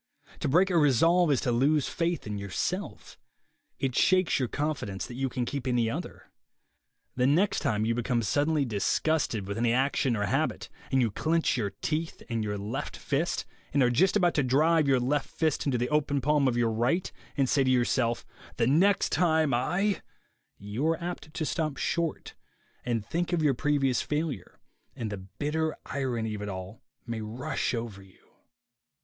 To break a resolve is to lose faith in yourself. It shakes your confidence that you can keep any other. The next time you become sud denly disgusted with any action or habit, and you clench your teeth and your left fist, and are just about to drive your left fist into the open palm of your right, and say to yourself, "The next time I —" you are apt to stop short and think of your previous failure, and the bitter irony of it all may rush over you.